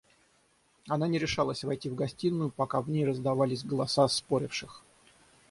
Она не решалась войти в гостиную, пока в ней раздавались голоса споривших.